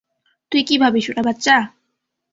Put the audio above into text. তুই কি ভাবিস, ওরা বাচ্চা?